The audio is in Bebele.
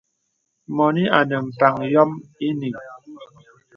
Mɔnì anə mpaŋ yòm ìyiŋ.